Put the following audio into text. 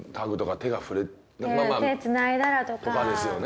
手つないだらとか。とかですよね。